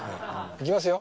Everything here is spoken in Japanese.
行きますよ！